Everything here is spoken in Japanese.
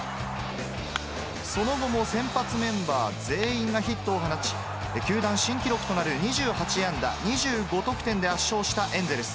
その後も先発メンバー全員がヒットを放ち、球団新記録となる２８安打２５得点で圧勝したエンゼルス。